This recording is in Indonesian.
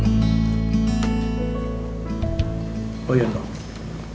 kamu udah tahu perkembangan elsa terakhir gimana